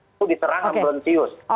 itu diterang ambronsius